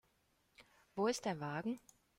Wo ist der Wagen?